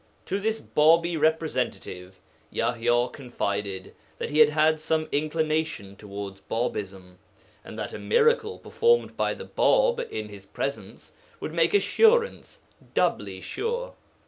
To this Bābī representative Yaḥya confided that he had some inclination towards Bābism, and that a miracle performed by the Bāb in his presence would make assurance doubly sure.